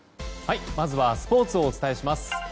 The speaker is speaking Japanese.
まずはスポーツをお伝えします。